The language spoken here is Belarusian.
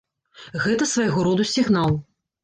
Гэта свайго роду сігнал.